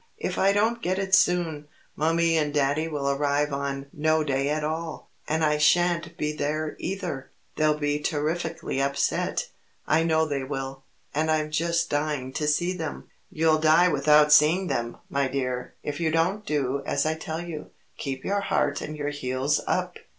If I don't get it soon, Mummie and Daddy will arrive on no day at all, and I shan't be there either. They'll be terrifikly upset I know they will. And I'm just dying to see them." "You'll die without seeing them, my dear, if you don't do as I tell you. Keep your heart and your heels up."